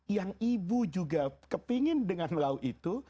yang ibu juga kepingin dengan lau itu